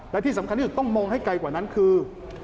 และที่สำคัญที่สุดต้องมองให้ไกลกว่านั้นคือ